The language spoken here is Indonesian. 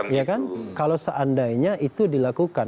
ya kan kalau seandainya itu dilakukan